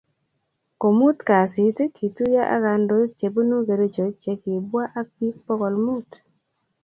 Komut kasit, kituyo ak kandoik che bunu Kericho che kibwaa ak bik pokol mut